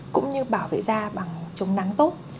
cũng như bảo vệ da bằng chống nắng tốt